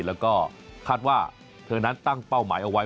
แล้วก็คาดว่าเธอนั้นตั้งเป้าหมายเอาไว้